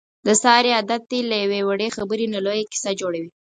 د سارې عادت دی له یوې وړې خبرې نه لویه کیسه جوړوي.